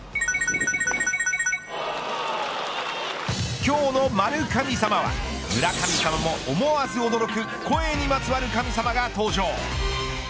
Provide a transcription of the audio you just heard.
今日の○神様は村神様も思わず驚く声にまつわる神様が登場。